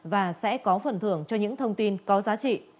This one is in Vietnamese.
và sẽ có phần thưởng cho những thông tin có giá trị